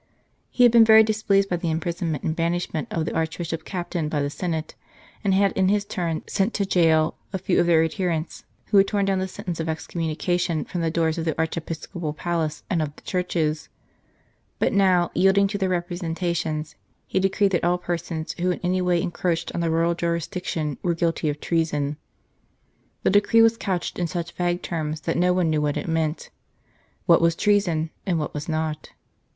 He had been very displeased at the imprison ment and banishment of the Archbishop s Captain by the Senate, and had in his turn sent to gaol a few of their adherents who had torn down the sentence of excommunication from the doors of the archiepiscopal palace and of the churches ; but now, yielding to their representations, he decreed that all persons who in any way encroached on the royal jurisdiction were guilty of treason. The decree was couched in such vague terms that no one knew what it meant what was treason, and what was not.